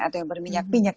atau yang berminyak minyak